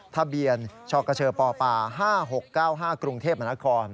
ทะเบียนชกชป๕๖๙๕กรุงเทพมนาคม